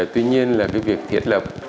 tuy nhiên là việc thiết lập